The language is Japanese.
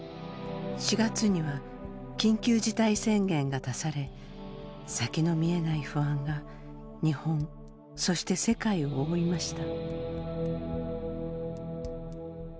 ４月には緊急事態宣言が出され先の見えない不安が日本そして世界を覆いました。